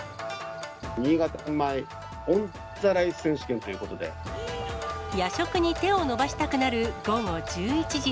新潟米オンザライス選手権と夜食に手を伸ばしたくなる午後１１時。